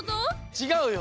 ちがうよ。